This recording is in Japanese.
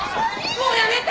もうやめて！